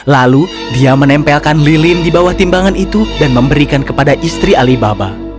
lalu dia menempelkan lilin di bawah timbangan itu dan memberikan kepada istri alibaba